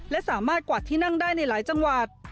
และสามารถกวาดที่นั่งได้ในหลายจังหวัด